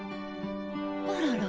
あらら。